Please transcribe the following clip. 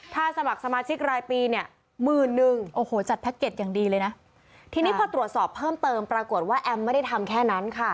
ถ้าสมัครสมาชิกรายปีเนี่ยหมื่นนึงโอ้โหจัดแพ็กเก็ตอย่างดีเลยนะทีนี้พอตรวจสอบเพิ่มเติมปรากฏว่าแอมไม่ได้ทำแค่นั้นค่ะ